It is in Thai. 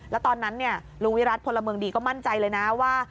แล้วตอนนั้นลุงวิรัติพลเมืองดีก็มั่นใจเลยนะว่า